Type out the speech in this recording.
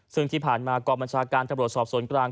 ซึ่งที่ผ่านมากองบัญชาการตำรวจสอบสวนกลาง